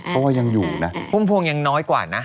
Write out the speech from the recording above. ภูมิพวงยังน้อยกว่า